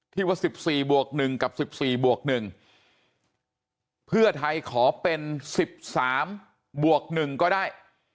ที่ว่า๑๔๑กับ๑๔๑พิ่วไทยขอเป็น๑๓๑ก็ได้